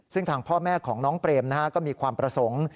ซึ่งทางพ่อแม่ของน้องเปรมก็มีความประสงค์